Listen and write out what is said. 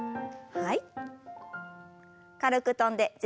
はい。